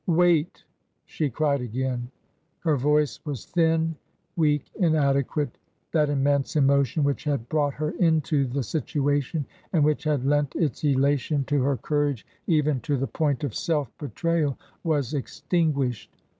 " Wait !" she cried again. Her voice was thin, weak, inadequate. That immense emotion which had brought her into the situation, and which had lent its elation to her courage even to the point of self betrayal, was extinguished.